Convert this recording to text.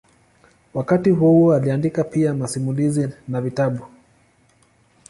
Wakati huohuo aliandika pia masimulizi na vitabu.